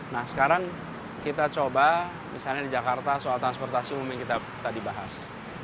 nah sekarang kita coba misalnya di jakarta soal transportasi umum yang kita tadi bahas